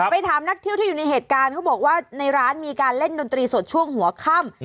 ไปถามนักเที่ยวที่อยู่ในเหตุการณ์เขาบอกว่าในร้านมีการเล่นดนตรีสดช่วงหัวค่ำ